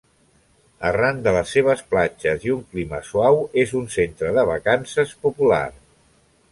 Arran de les seves platges i un clima suau és un centre de vacances popular.